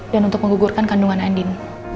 dan untuk menggugurkan kandungan andin